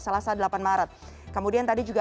selasa delapan maret kemudian tadi juga